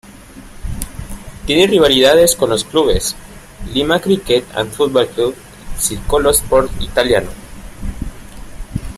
Tiene rivalidades con los clubes: Lima Cricket and Football Club y Circolo Sportivo Italiano.